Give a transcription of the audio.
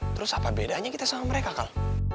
terus apa bedanya kita sama mereka kalau